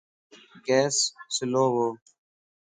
گيس سلووَ